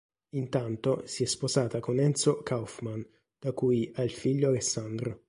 Intanto si è sposata con Enzo Kaufman, da cui ha il figlio Alessandro.